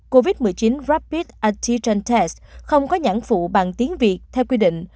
covid một mươi chín rapid adhesion test không có nhãn phụ bằng tiếng việt theo quy định